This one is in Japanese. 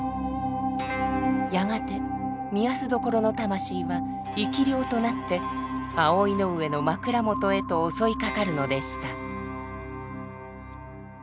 やがて御息所の魂は生き霊となって葵の上の枕元へと襲いかかるのでした。